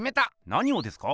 何をですか？